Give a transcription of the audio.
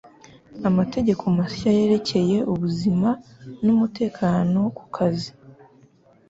Amategeko mashya yerekeye ubuzima n'umutekano ku kazi